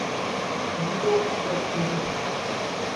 Did you walk straight from here?